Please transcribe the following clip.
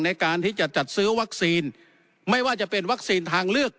ในการที่จะจัดซื้อวัคซีนไม่ว่าจะเป็นวัคซีนทางเลือก